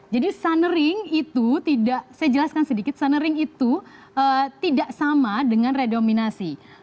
jadi sunring itu tidak saya jelaskan sedikit sunring itu tidak sama dengan redenominasi